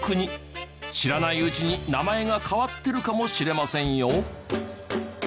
知らないうちに名前が変わってるかもしれませんよ。